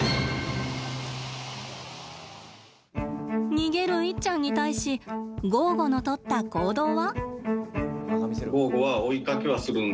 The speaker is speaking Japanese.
逃げるイッちゃんに対しゴーゴの取った行動は？